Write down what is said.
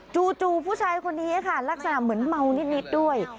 จู่ผู้ชายคนนี้ค่ะลักษณะเหมือนเมานิดด้วย